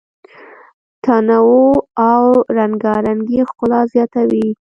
تنوع او رنګارنګي ښکلا زیاتوي.